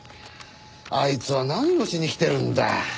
あいつは何をしに来てるんだ。